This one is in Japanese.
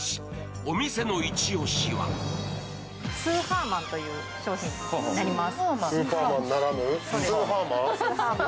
お店のイチオシは？スーハーマンという商品になります。